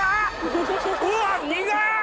うわっ苦っ！